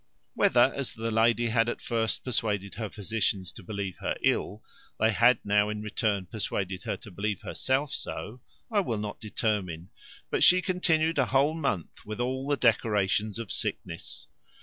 Whether, as the lady had at first persuaded her physicians to believe her ill, they had now, in return, persuaded her to believe herself so, I will not determine; but she continued a whole month with all the decorations of sickness.